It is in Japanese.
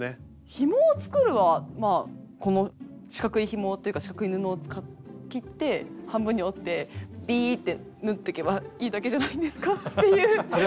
ひもを作るは四角いひもっていうか四角い布を切って半分に折ってビーって縫っていけばいいだけじゃないんですかっていう。